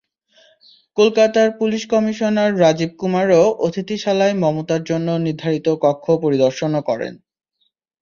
কলকাতার police commissioner Rajiv কুমারও অতিথিশালায় মমতার জন্য নির্ধারিত কক্ষ পরিদর্শনও করেন।